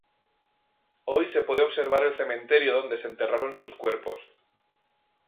Hoy se puede observar el cementerio donde se enterraron sus cuerpos.